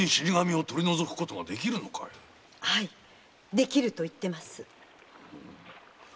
「できる」と言ってます。